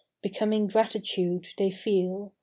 Becoming gratitude they feel.